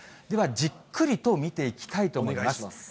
ではじっくりと見ていきたいと思います。